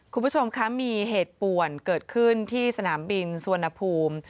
คุณผู้ชมคะมีเหตุป่วนเกิดขึ้นที่สนามบินสุวรรณภูมิ